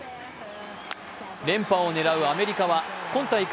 連覇を狙うアメリカは今大会